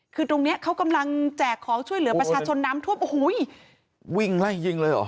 คือตรงเนี้ยเขากำลังแจกของช่วยเหลือประชาชนน้ำท่วมโอ้โหวิ่งไล่ยิงเลยเหรอ